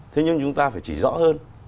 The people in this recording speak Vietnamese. thế nhưng chúng ta phải chỉ rõ hơn